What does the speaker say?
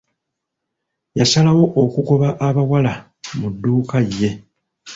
Yasalawo okugoba abawala mu dduuka ye.